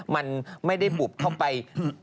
มันไม่ได้บุบเข้าไป